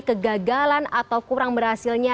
kegagalan atau kurang berhasilnya